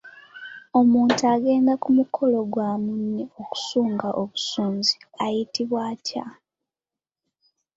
Omuntu agenda ku mukolo gwa munne okusunga obusunzi ayitibwa atya?